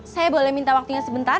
saya boleh minta waktunya sebentar